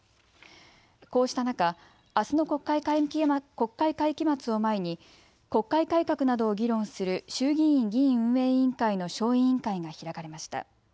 こうした中、あすの国会会期末を前に国会改革などを議論する衆議院議院運営委員会の小委員会が開かれました。